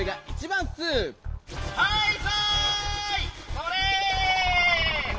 それ！